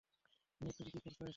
মে, তুমি কী করছ এসব?